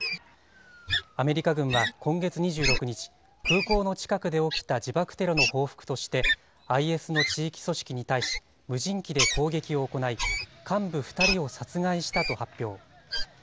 アメリカ軍は今月２６日、空港の近くで起きた自爆テロの報復として、ＩＳの地域組織に対し、無人機で攻撃を行い、幹部２人を殺害したと発表。